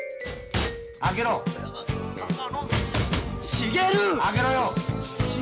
開けろ！茂！